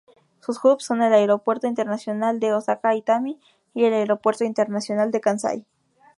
Sus hubs son el aeropuerto internacional de Osaka-Itami y el aeropuerto internacional de Kansai.